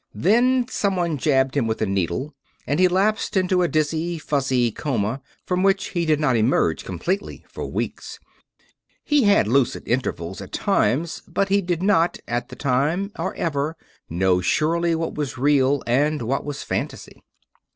Then someone jabbed him with a needle and he lapsed into a dizzy, fuzzy coma, from which he did not emerge completely for weeks. He had lucid intervals at times, but he did not, at the time or ever, know surely what was real and what was fantasy.